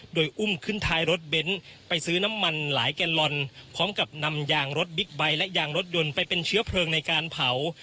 โดยอุ้มขึ้นท้ายรถเบนท์ไปซื้อน้ำมันหลายแกลลอนพร้อมกับนำยางรถบิ๊กไบท์และยางรถยนต์ไปเป็นเชื้อเพลิงในการเผา